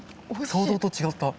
想像と違った。